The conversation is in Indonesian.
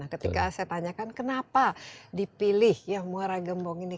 ketika saya ditanyakan kenapa dipilih mora gembong ini